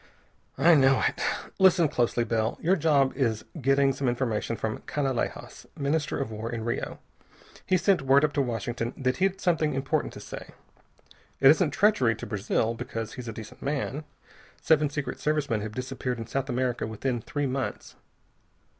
"I know it. Listen closely, Bell. Your job is getting some information from Canalejas, Minister of War in Rio. He sent word up to Washington that he'd something important to say. It isn't treachery to Brazil, because he's a decent man. Seven Secret Service men have disappeared in South America within three months.